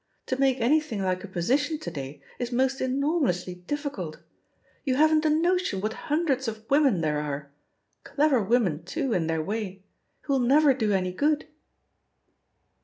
To make any thing like a position to day is most enormously difficult. You haven't a notion what hundreds of women there are — dever women, too, in their way — ^who'll never do any good."